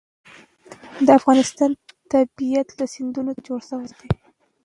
د افغانستان طبیعت له سیندونه څخه جوړ شوی دی.